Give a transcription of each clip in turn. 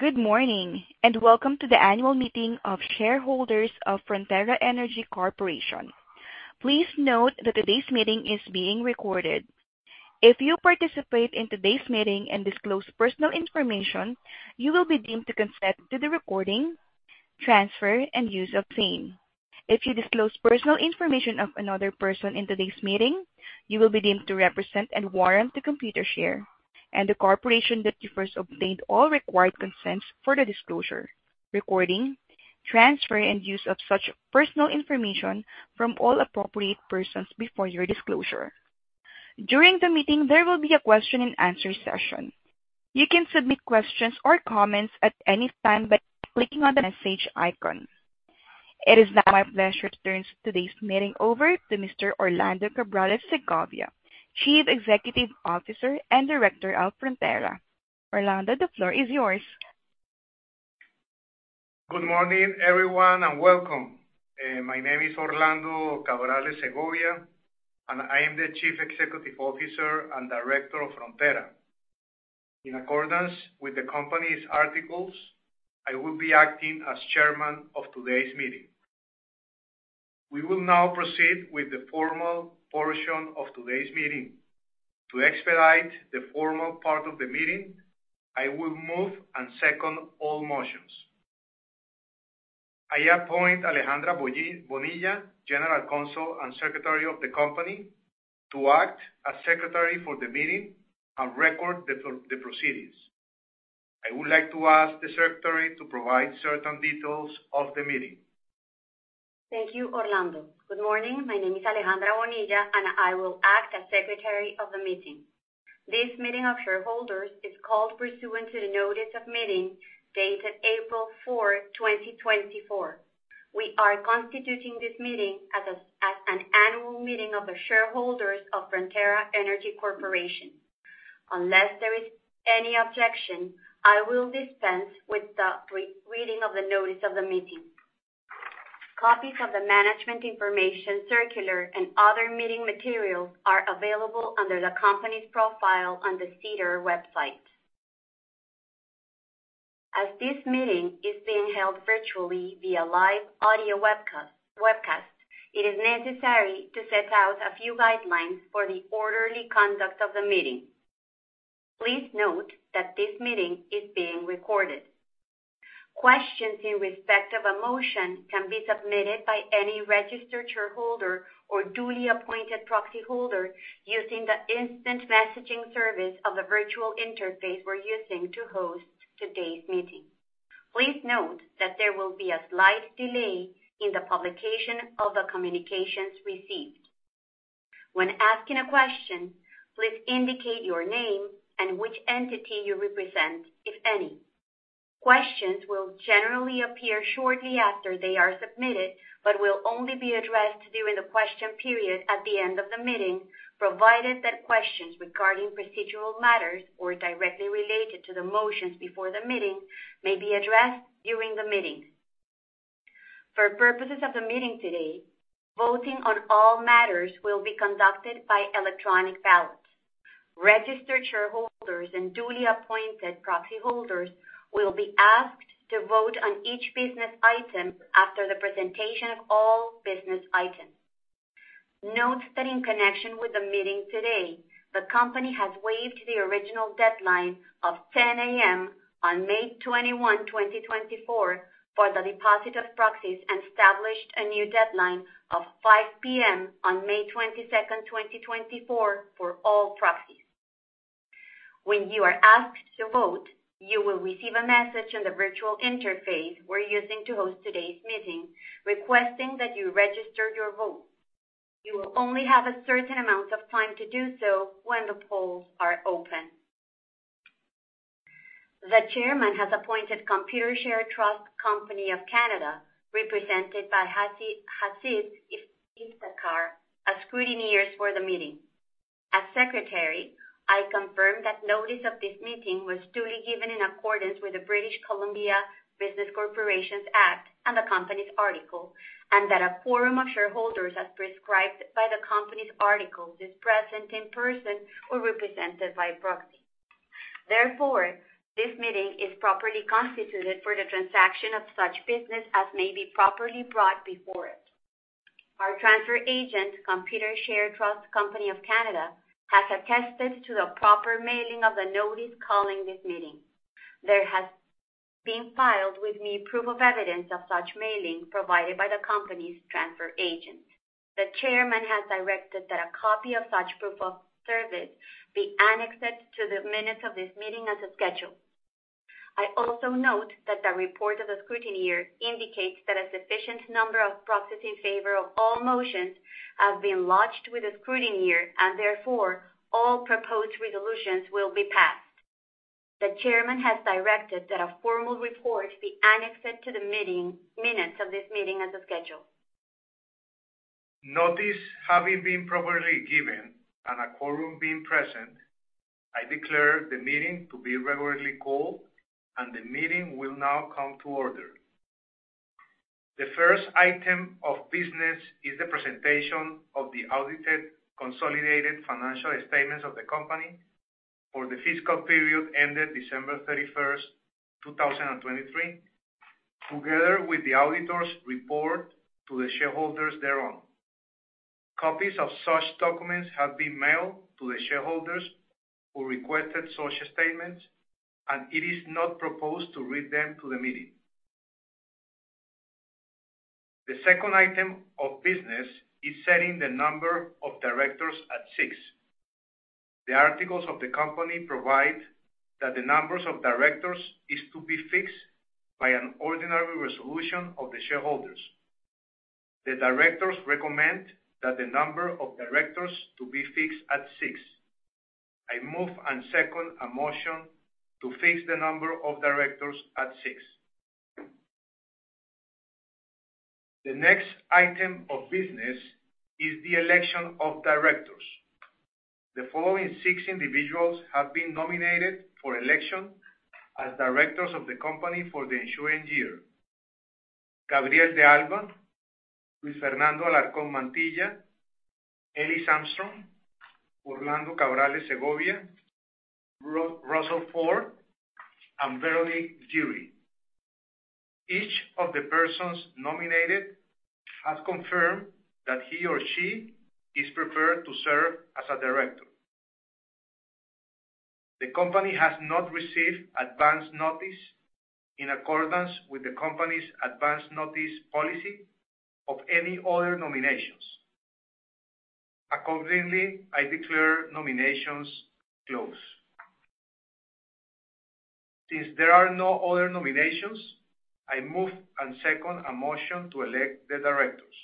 Good morning. Welcome to the Annual Meeting of Shareholders of Frontera Energy Corporation. Please note that today's meeting is being recorded. If you participate in today's meeting and disclose personal information, you will be deemed to consent to the recording, transfer, and use of same. If you disclose personal information of another person in today's meeting, you will be deemed to represent and warrant to Computershare and the corporation that you first obtained all required consents for the disclosure, recording, transfer, and use of such personal information from all appropriate persons before your disclosure. During the meeting, there will be a question and answer session. You can submit questions or comments at any time by clicking on the message icon. It is now my pleasure to turn today's meeting over to Mr. Orlando Cabrales Segovia, Chief Executive Officer and Director of Frontera. Orlando, the floor is yours. Good morning, everyone, and welcome. My name is Orlando Cabrales Segovia, and I am the Chief Executive Officer and Director of Frontera. In accordance with the Company's Articles, I will be acting as Chairman of today's meeting. We will now proceed with the formal portion of today's meeting. To expedite the formal part of the meeting, I will move and second all motions. I appoint Alejandra Bonilla, General Counsel and Secretary of the Company, to act as Secretary for the meeting and record the proceedings. I would like to ask the Secretary to provide certain details of the meeting. Thank you, Orlando. Good morning. My name is Alejandra Bonilla, and I will act as Secretary of the meeting. This meeting of shareholders is called pursuant to the notice of meeting dated April 4, 2024. We are constituting this meeting as an Annual Meeting of the shareholders of Frontera Energy Corporation. Unless there is any objection, I will dispense with the reading of the notice of the meeting. Copies of the management information circular and other meeting materials are available under the Company's profile on the SEDAR website. As this meeting is being held virtually via live audio webcast, it is necessary to set out a few guidelines for the orderly conduct of the meeting. Please note that this meeting is being recorded. Questions in respect of a motion can be submitted by any registered shareholder or duly appointed proxy holder using the instant messaging service of the virtual interface we're using to host today's meeting. Please note that there will be a slight delay in the publication of the communications received. When asking a question, please indicate your name and which entity you represent, if any. Questions will generally appear shortly after they are submitted, but will only be addressed during the question period at the end of the meeting, provided that questions regarding procedural matters or directly related to the motions before the meeting may be addressed during the meeting. For purposes of the meeting today, voting on all matters will be conducted by electronic ballot. Registered shareholders and duly appointed proxy holders will be asked to vote on each business item after the presentation of all business items. Note that in connection with the meeting today, the Company has waived the original deadline of 10:00 A.M. on May 21, 2024, for the deposit of proxies, and established a new deadline of 5:00 P.M. on May 22, 2024, for all proxies. When you are asked to vote, you will receive a message in the virtual interface we're using to host today's meeting, requesting that you register your vote. You will only have a certain amount of time to do so when the polls are open. The Chairman has appointed Computershare Trust Company of Canada, represented by Hasib Iftekhar as Scrutineers for the meeting. As Secretary, I confirm that notice of this meeting was duly given in accordance with the British Columbia Business Corporations Act and the Company's Articles, and that a quorum of shareholders as prescribed by the Company's Articles is present in person or represented by proxy. Therefore, this meeting is properly constituted for the transaction of such business as may be properly brought before it. Our transfer agent, Computershare Trust Company of Canada, has attested to the proper mailing of the notice calling this meeting. There has been filed with me proof of evidence of such mailing provided by the Company's transfer agent. The Chairman has directed that a copy of such proof of service be annexed to the minutes of this meeting as a schedule. I also note that the report of the scrutineer indicates that a sufficient number of proxies in favor of all motions have been lodged with the scrutineer and therefore, all proposed resolutions will be passed. The Chairman has directed that a formal report be annexed to the minutes of this meeting as a schedule. Notice having been properly given and a quorum being present, I declare the meeting to be regularly called and the meeting will now come to order. The first item of business is the presentation of the audited consolidated financial statements of the Company for the fiscal period ended December 31st, 2023, together with the Auditor's report to the shareholders thereon. Copies of such documents have been mailed to the shareholders who requested such statements, and it is not proposed to read them to the meeting. The second item of business is setting the number of Directors at six. The Articles of the Company provide that the number of Directors is to be fixed by an ordinary resolution of the shareholders. The Directors recommend that the number of Directors to be fixed at six. I move and second a motion to fix the number of Directors at six. The next item of business is the election of Directors. The following six individuals have been nominated for election as Directors of the Company for the ensuing year. Gabriel de Alba, Luis Fernando Alarcón Mantilla, W. Ellis Armstrong, Orlando Cabrales Segovia, Russell Ford, and Veronique Giry. Each of the persons nominated has confirmed that he or she is prepared to serve as a Director. The Company has not received advance notice, in accordance with the Company's Advance Notice Policy, of any other nominations. Accordingly, I declare nominations closed. Since there are no other nominations, I move and second a motion to elect the Directors.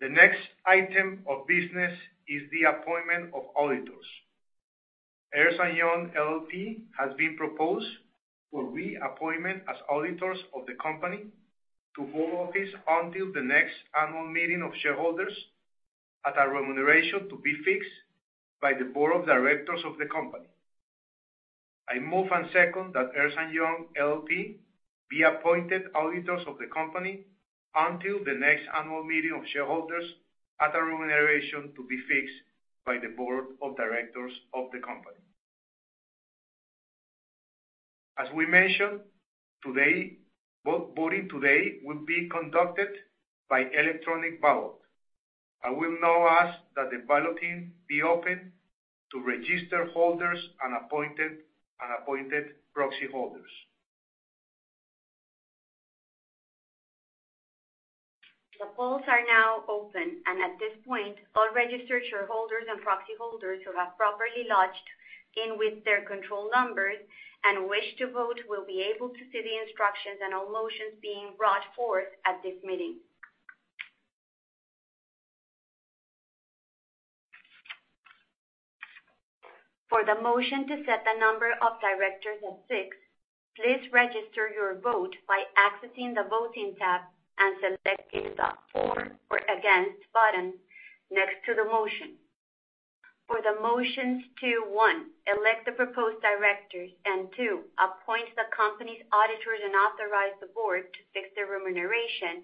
The next item of business is the appointment of Auditors. Ernst & Young LLP has been proposed for reappointment as Auditors of the Company to hold office until the next Annual Meeting of Shareholders at a remuneration to be fixed by the Board of Directors of the Company. I move and second that Ernst & Young LLP be appointed Auditors of the Company until the next Annual Meeting of Shareholders at a remuneration to be fixed by the Board of Directors of the Company. As we mentioned, voting today will be conducted by electronic ballot. I will now ask that the balloting be open to registered holders and appointed proxyholders. The polls are now open, and at this point, all registered shareholders and proxyholders who have properly logged in with their control numbers and wish to vote will be able to see the instructions and all motions being brought forth at this meeting. For the motion to set the number of Directors at six, please register your vote by accessing the Voting tab and selecting the For or Against button next to the motion. For the motions to, one, elect the proposed Directors, and two, appoint the Company's Auditors and authorize the Board to fix their remuneration,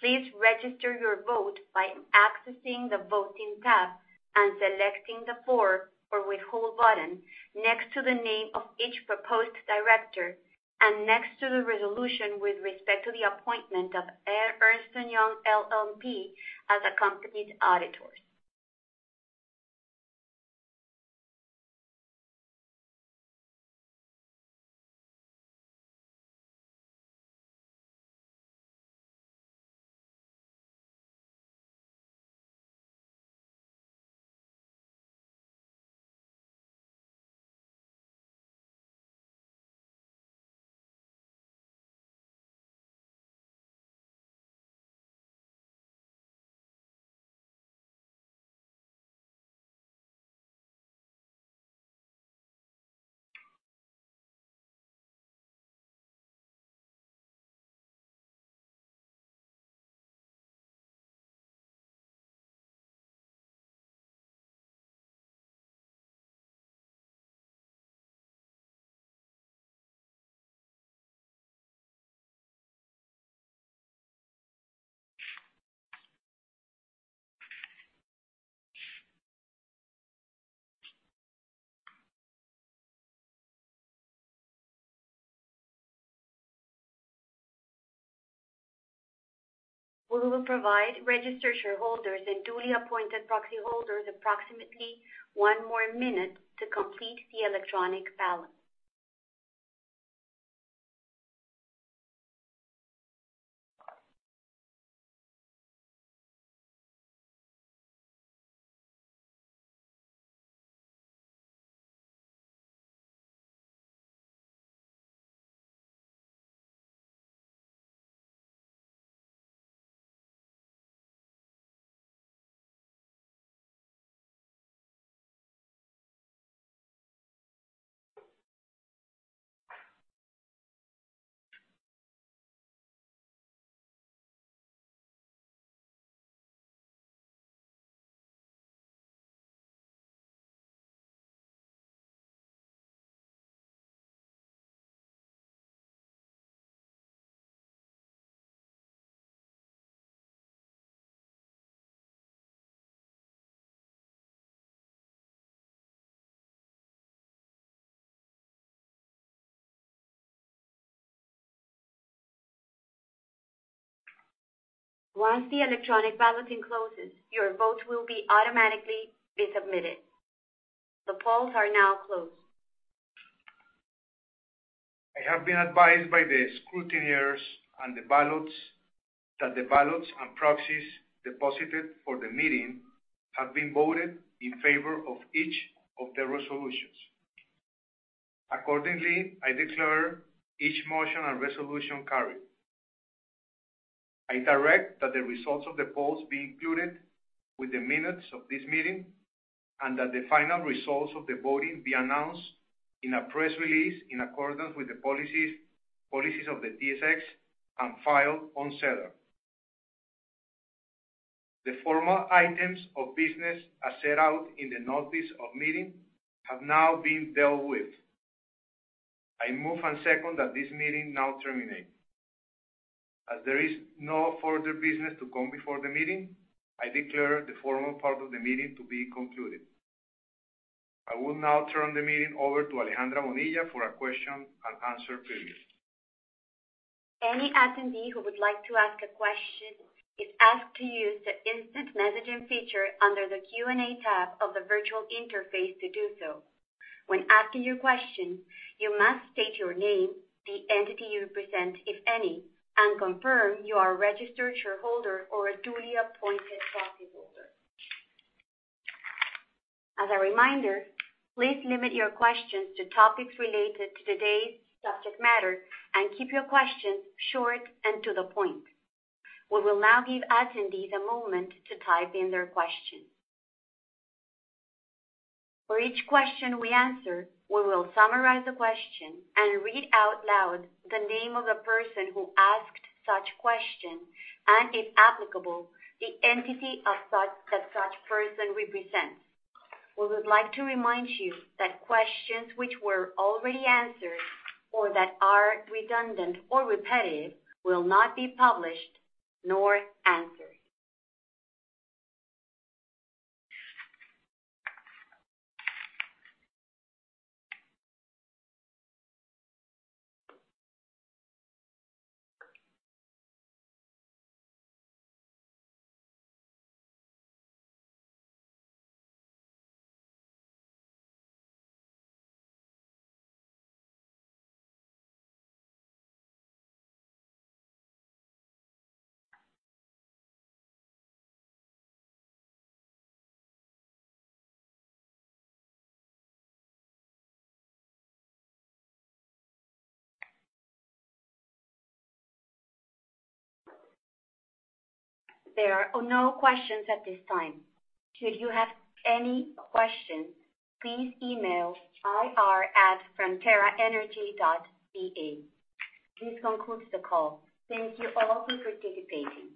please register your vote by accessing the Voting tab and selecting the For or Withhold button next to the name of each proposed Director, and next to the resolution with respect to the appointment of Ernst & Young LLP as the Company's Auditors. We will provide registered shareholders and duly appointed proxyholders approximately one more minute to complete the electronic ballot. Once the electronic balloting closes, your votes will be automatically submitted. The polls are now closed. I have been advised by the Scrutineers that the ballots and proxies deposited for the meeting have been voted in favor of each of the resolutions. Accordingly, I declare each motion and resolution carried. I direct that the results of the polls be included with the minutes of this meeting, and that the final results of the voting be announced in a press release in accordance with the policies of the TSX and filed on SEDAR. The formal items of business as set out in the notice of meeting have now been dealt with. I move and second that this meeting now terminate. As there is no further business to come before the meeting, I declare the formal part of the meeting to be concluded. I will now turn the meeting over to Alejandra Bonilla for a question and answer period. Any attendee who would like to ask a question is asked to use the instant messaging feature under the Q&A tab of the virtual interface to do so. When asking your question, you must state your name, the entity you represent, if any, and confirm you are a registered shareholder or a duly appointed proxy holder. As a reminder, please limit your questions to topics related to today's subject matter and keep your questions short and to the point. We will now give attendees a moment to type in their question. For each question we answer, we will summarize the question and read out loud the name of the person who asked such question, and if applicable, the entity that such person represents. We would like to remind you that questions which were already answered or that are redundant or repetitive will not be published nor answered. There are no questions at this time. Should you have any questions, please email ir@fronteraenergy.ca. This concludes the call. Thank you all for participating.